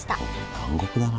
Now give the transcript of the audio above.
南国だな。